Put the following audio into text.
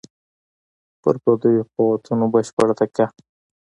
پر پردیو قوتونو بشپړه تکیه.